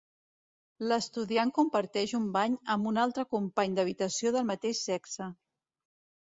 L'estudiant comparteix un bany amb un altre company d'habitació del mateix sexe.